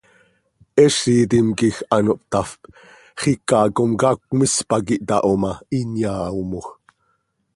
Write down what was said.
Heezitim quij ano hptafp, xiica comcaac cmis pac ihtaho ma, hin yaaomoj.